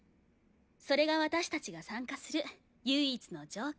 それが私たちが参加する唯一の条件。